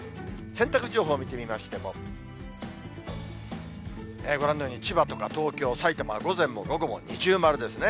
洗濯情報見てみましても、ご覧のように千葉とか東京、さいたまは午前も午後も二重丸ですね。